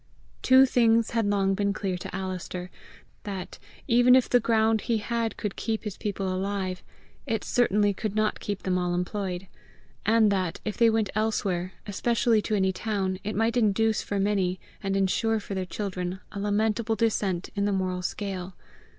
Two things had long been clear to Alister that, even if the ground he had could keep his people alive, it certainly could not keep them all employed; and that, if they went elsewhere, especially to any town, it might induce for many, and ensure for their children, a lamentable descent in the moral scale.